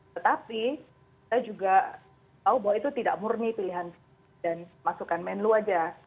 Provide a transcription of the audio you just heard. tetapi kita juga tahu bahwa itu tidak murni pilihan dan masukan menlu saja